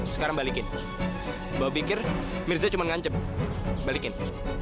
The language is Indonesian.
sekarang balikin bawa pikir mirza cuman ngancep balikin